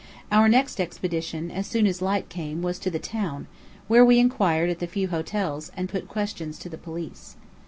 Our next expedition, as soon as light came, was to the town, where we inquired at the few hotels, and put questions to the police.